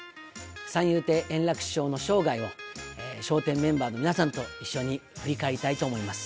三遊亭円楽師匠の生涯を、笑点メンバーに皆さんと一緒に、振り返りたいと思います。